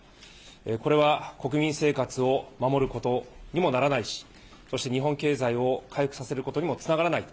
これは国民生活を守ることにもならないし日本経済を回復させることにもつながらない。